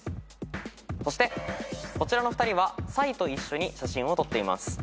そしてこちらの２人はサイと一緒に写真を撮っています。